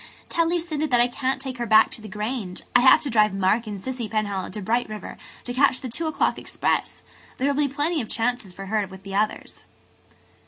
"Tell Lucinda that I can't take her back to the Grange. I have to drive Mark and Cissy Penhallow to Bright River to catch the two o'clock express. There will be plenty of chances for her with the others."